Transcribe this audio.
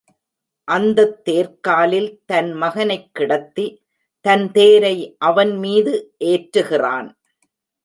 அந்தத் தேர்க்காலில் தன் மகனைக் கிடத்தி, தன்தேரை அவன்மீது ஏற்றுகிறான்.